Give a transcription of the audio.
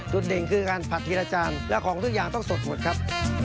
เด่นคือการผัดทีละจานและของทุกอย่างต้องสดหมดครับ